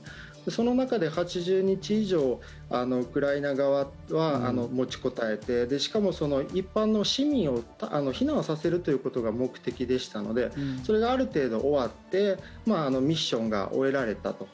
その中で８０日以上ウクライナ側は持ちこたえてしかも、一般の市民を避難させるということが目的でしたのでそれがある程度終わってミッションが終えられたと。